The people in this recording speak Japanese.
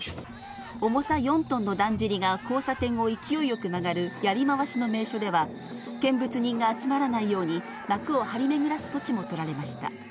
重さ４トンのだんじりが交差点を勢いよく曲がるやりまわしの名所では、見物人が集まらないように、幕を張り巡らす措置も取られました。